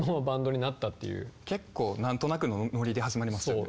結構何となくのノリで始まりましたよね。